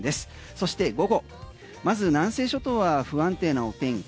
そして午後まず南西諸島は不安定なお天気